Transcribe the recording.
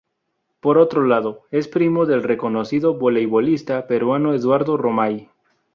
Por otro lado, es primo del reconocido voleibolista peruano Eduardo Romay.